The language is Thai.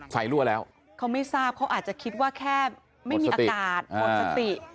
รั่วแล้วเขาไม่ทราบเขาอาจจะคิดว่าแค่ไม่มีอากาศหมดสติ